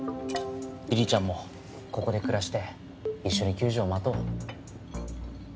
梨々ちゃんもここで暮らして一緒に救助を待とう。